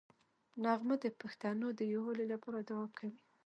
نغمه د پښتنو د یووالي لپاره دوعا کوي